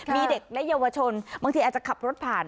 มีเด็กและเยาวชนบางทีอาจจะขับรถผ่าน